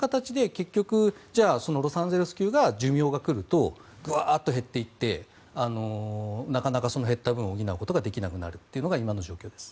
それからロサンゼルス級がガーッと減っていってなかなかその減った分を補うことができなくなるというのが今の状況です。